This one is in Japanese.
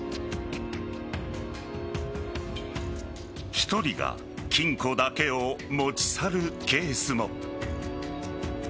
１人が金庫だけを持ち去るケースも。